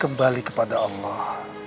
kembali kepada allah